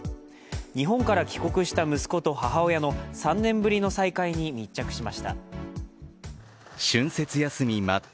日本から帰国した息子と母親の３年ぶりの再会に密着しました。